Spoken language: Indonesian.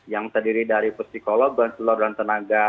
yang terdiri dari psikolog dan peluang tenaga